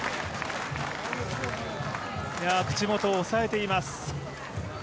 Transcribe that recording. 口元を押さえています。